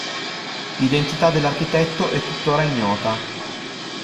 L'identità dell'architetto è tuttora ignota.